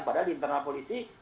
padahal di internal polisi